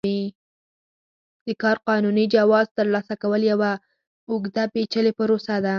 د کار قانوني جواز ترلاسه کول یوه اوږده پېچلې پروسه ده.